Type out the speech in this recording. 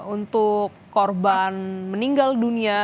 untuk korban meninggal dunia